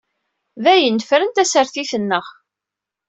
Dayen nefren tasertit-nneɣ.